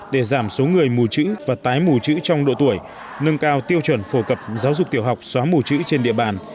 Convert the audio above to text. để giảm số người mù chữ và tái mù chữ trong độ tuổi nâng cao tiêu chuẩn phổ cập giáo dục tiểu học xóa mù chữ trên địa bàn